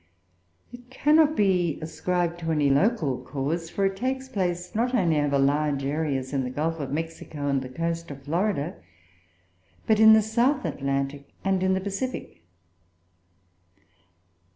It cannot be ascribed to any local cause, for it takes place, not only over large areas in the Gulf of Mexico and the Coast of Florida, but in the South Atlantic and in the Pacific.